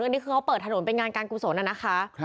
อันนี้เขาเปิดทะนอนเป็นงานการกุศลน่ะนะค่ะ